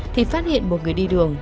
thì phát hiện một người đi đường